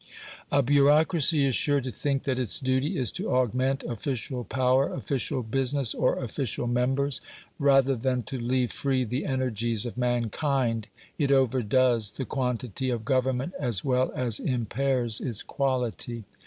A bureaucracy is sure to think that its duty is to augment official power, official business, or official members, rather than to leave free the energies of mankind; it overdoes the quantity of government, as well as impairs its quality.